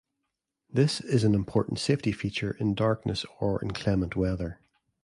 This is an important safety feature in darkness or inclement weather.